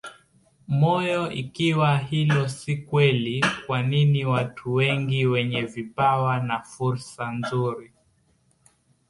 moyo Ikiwa hilo si kweli kwa nini watu wengi wenye vipawa na fursa nzuri